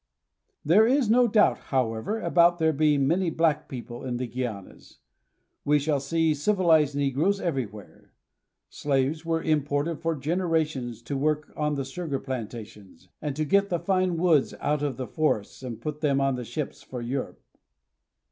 There is no doubt, however, about there being many black people in the Guianas. We shall see civilized negroes everywhere. Slaves were imported for generations to work on the sugar plantations, and to get the fine woods out of the forests and put them on the ships for Europe.